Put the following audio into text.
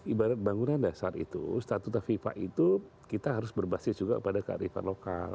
ibarat bangunan dasar itu statuta fifa itu kita harus berbasis juga pada kearifan lokal